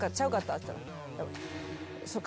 っつったら。